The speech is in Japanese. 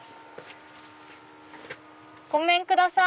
ごめんください。